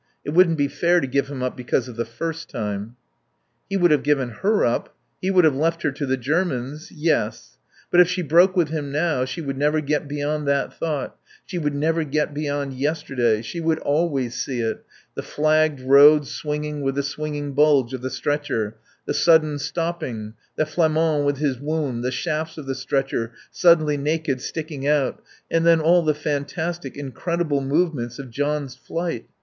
It wouldn't be fair to give him up because of the first time. He would have given her up, he would have left her to the Germans Yes; but if she broke with him now she would never get beyond that thought, she would never get beyond yesterday; she would always see it, the flagged road swinging with the swinging bulge of the stretcher, the sudden stopping, the Flamand with his wound, the shafts of the stretcher, suddenly naked, sticking out; and then all the fantastic, incredible movements of John's flight.